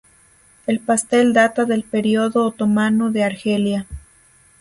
El pastel data del período otomano de Argelia.